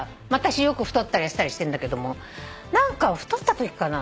私よく太ったり痩せたりしてるんだけども何か太ったときかな？